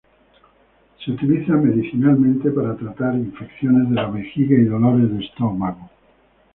Se utiliza medicinalmente para tratar infecciones de la vejiga y dolores de estómago.